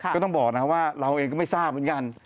ก็ต้องบอกนะว่าเราเองก็ไม่ทราบเหมือนกัน